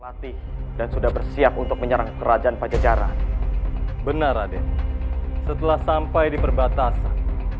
latih dan sudah bersiap untuk menyerang kerajaan pajajaran benar adek setelah sampai diperbatasan